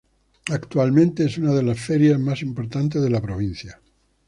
Actualmente es una de las ferias más importantes de la provincia.